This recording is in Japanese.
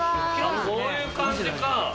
こういう感じか。